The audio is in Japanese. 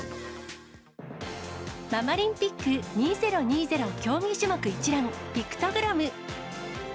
ママリンピック２０２０競技種目一覧ピクトグラム。